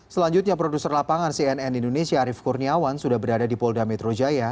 selanjutnya produser lapangan cnn indonesia arief kurniawan sudah berada di polda metro jaya